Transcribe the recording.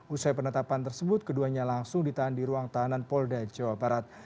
usai penetapan tersebut keduanya langsung ditahan di ruang tahanan polda jawa barat